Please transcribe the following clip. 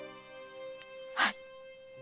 はい！